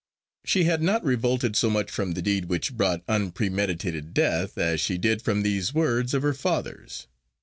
She had not revolted so much from the deed which brought unpremeditated death, as she did from these words of her father's.